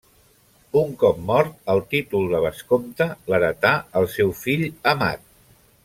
Un cop mort el títol de vescomte l'heretà el seu fill Amat.